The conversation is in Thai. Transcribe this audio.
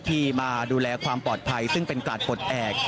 ที่มาดูแลความปลอดภัยซึ่งเป็นกาดปลดแอบ